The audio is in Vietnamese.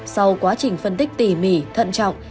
sau quá trình phân tích tỉ mỉ thận trọng